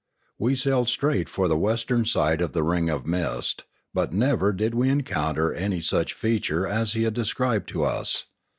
We sailed straight for the western side of the ring of mist, but never did we encounter any such feature as he had described to us.